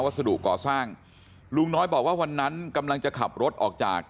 สดุก่อสร้างลุงน้อยบอกว่าวันนั้นกำลังจะขับรถออกจาก